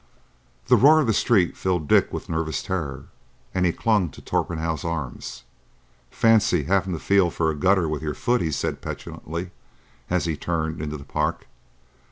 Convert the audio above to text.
The roar of the streets filled Dick with nervous terror, and he clung to Torpenhow's arm. "Fancy having to feel for a gutter with your foot!" he said petulantly, as he turned into the Park.